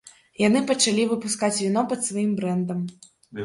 Яны пачалі выпускаць віно пад сваім брэндам.